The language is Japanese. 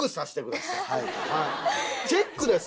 チェックです